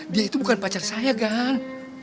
dia itu bukan pacar saya kan